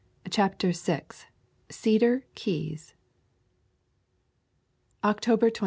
CHAPTER VI CEDAR KEYS CTOBER 23.